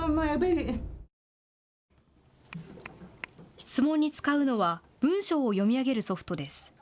質問に使うのは文章を読み上げるソフトです。